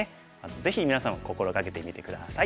ぜひみなさんも心掛けてみて下さい。